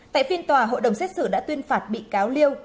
tại phiên tòa hội đồng xét xử đã tuyên phạt bị cáo liêu